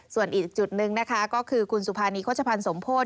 ส่วนอีกจุดหนึ่งนะคะก็คือคุณสุภานีโฆษภัณฑ์สมโพธิ